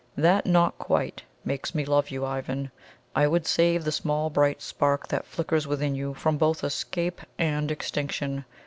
That 'not quite' makes me love you, Ivan: I would save the small bright spark that flickers within you from both escape and extinction.